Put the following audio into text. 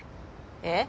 えっ？